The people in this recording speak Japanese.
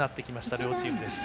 両チームです。